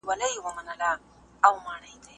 روسي مامور په ده باور وکړ.